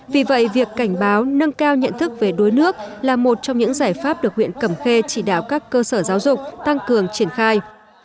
vì vậy việc cảnh báo nâng cao nhận thức về đuối nước là một trong những giải pháp được huyện cẩm khê chỉ đạo các cơ sở giáo dục tăng cường triển khai